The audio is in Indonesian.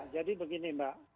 jadi begini mbak